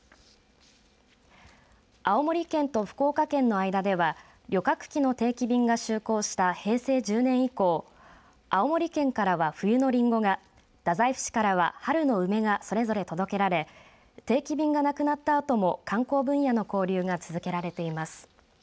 青森県と福岡県の間では旅客機の定期便が就航した平成１０年以降青森県からは冬のりんごが太宰府市からは春の梅がそれぞれ届けられ定期便がなくなったあとも観光分野の交流が続けられています。